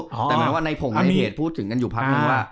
แต่หมายว่าในผงในเพจพูดถึงกันอยู่พักนึงว่า